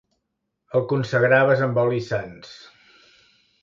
El consagraves amb olis sants.